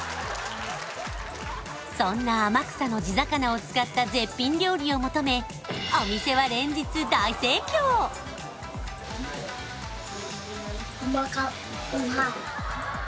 そんな天草の地魚を使った絶品料理を求めお店はうまい